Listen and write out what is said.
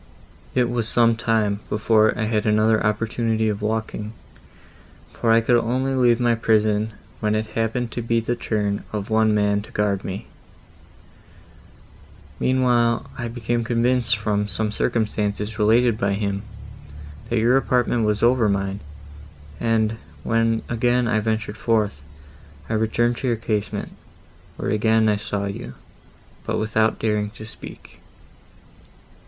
"It was some time, before I had another opportunity of walking, for I could only leave my prison, when it happened to be the turn of one man to guard me; meanwhile I became convinced from some circumstances related by him, that your apartment was over mine, and, when again I ventured forth, I returned to your casement, where again I saw you, but without daring to speak.